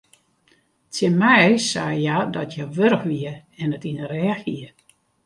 Tsjin my sei hja dat hja wurch wie en it yn de rêch hie.